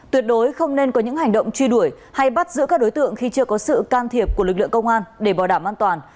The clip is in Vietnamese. tuyệt đối không nên có những hành động truy đuổi hay bắt giữ các đối tượng khi chưa có sự can thiệp của lực lượng công an để bảo đảm an toàn